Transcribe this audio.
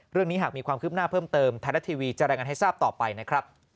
เรื่องนี้หากมีความคืบหน้าเพิ่มเติมไทยรัฐทีวีจะรายงานให้ทราบต่อไปนะครับ